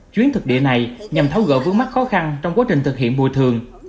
chuyến thực địa này nhằm thấu gỡ vướng mắt khó khăn trong quá trình thực hiện bùa thường